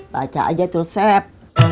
baca aja tuh resep